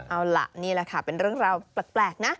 เอาล่ะนี่แหละค่ะเป็นเรื่องราวแปลกนะ